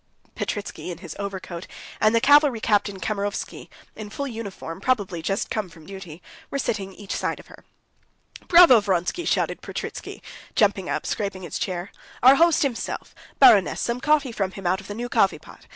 Petritsky, in his overcoat, and the cavalry captain Kamerovsky, in full uniform, probably just come from duty, were sitting each side of her. "Bravo! Vronsky!" shouted Petritsky, jumping up, scraping his chair. "Our host himself! Baroness, some coffee for him out of the new coffee pot.